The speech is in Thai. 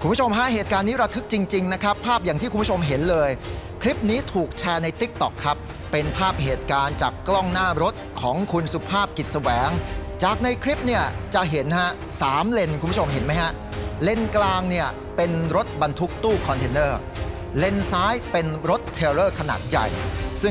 คุณผู้ชมห้าเหตุการณ์นี้รักฤทธิ์จริงจริงนะครับภาพอย่างที่คุณผู้ชมเห็นเลยคลิปนี้ถูกแชร์ในติ๊กต๊อกครับเป็นภาพเหตุการณ์จากกล้องหน้ารถของคุณสุภาพกิจแสวงจากในคลิปเนี่ยจะเห็นฮะสามเลนคุณผู้ชมเห็นไหมฮะเลนกลางเนี่ยเป็นรถบรรทุกตู้คอนเทนเนอร์เลนซ้ายเป็นรถเทรอร์ขนาดใหญ่ซึ